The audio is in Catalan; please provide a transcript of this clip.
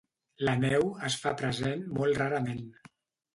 La neu es fa present molt rarament.